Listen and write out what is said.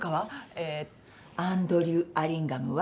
えぇアンドリュー・アリンガムは？